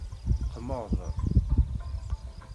Qmeḍ.